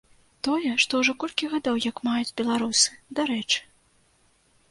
Тое, што ўжо колькі гадоў як маюць беларусы, дарэчы.